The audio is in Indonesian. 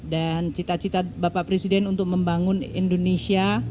dan cita cita bapak presiden untuk membangun indonesia